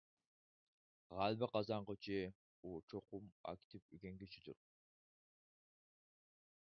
غەلىبە قازانغۇچى ئۇ چوقۇم ئاكتىپ ئۆگەنگۈچىدۇر.